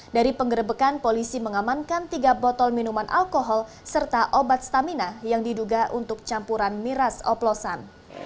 dari penggerbekan polisi mengamankan tiga botol minuman alkohol serta obat stamina yang diduga untuk campuran miras oplosan